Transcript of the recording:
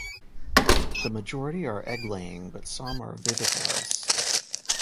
The majority are egg-laying, but some are viviparous.